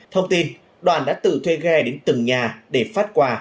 thông tin đoàn đã tự thuê ghe đến từng nhà để phát quà